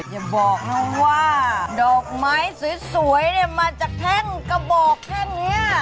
อย่าบอกนะว่าดอกไม้สวยเนี่ยมาจากแท่งกระบอกแท่งนี้